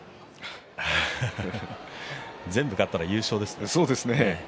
全部勝ったら優勝ですね。